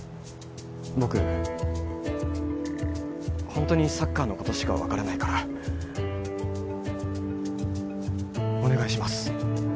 ほんとにサッカーのことしか分からないからお願いします